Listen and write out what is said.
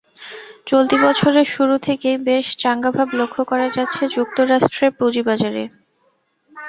চলতি বছরের শুরু থেকেই বেশ চাঙাভাব লক্ষ করা যাচ্ছে যুক্তরাষ্ট্রের পুঁজিবাজারে।